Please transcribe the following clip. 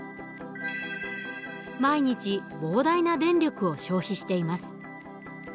毎日膨大な電力を消費しています。